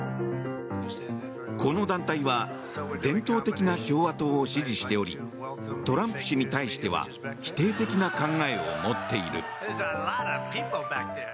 この団体は伝統的な共和党を支持しておりトランプ氏に対しては否定的な考えを持っている。